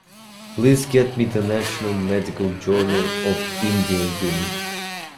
Please get me The National Medical Journal of India game.